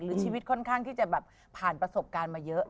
ชีวิตค่อนข้างที่จะแบบผ่านประสบการณ์มาเยอะ